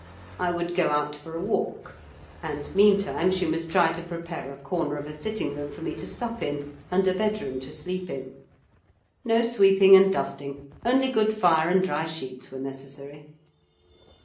I would go out for a walk; and, meantime she must try to prepare a corner of a sitting room for me to sup in, and a bedroom to sleep in. No sweeping and dusting, only good fire and dry sheets were necessary.